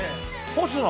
干すの！？